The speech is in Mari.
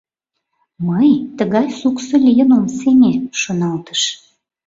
«Мый тыгай суксо лийын ом сеҥе, — шоналтыш.